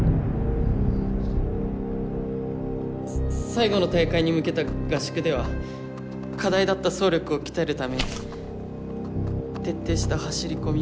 さ最後の大会に向けた合宿では課題だった走力を鍛えるため徹底した走り込みを行いました。